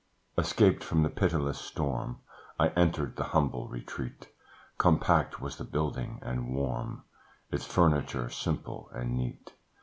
Escaped from the pitiless storm, I entered the humble retreat; Compact was the building, and warm, Its furniture simple and neat.